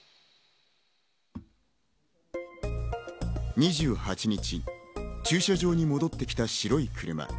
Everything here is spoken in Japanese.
２８日、駐車場に戻ってきた白い車。